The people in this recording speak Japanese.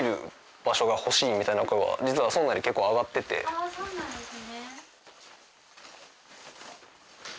ああそうなんですね。